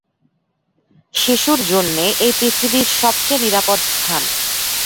শিশুর জন্যে এই পৃথিবীর সবচেয়ে নিরাপদ স্থান।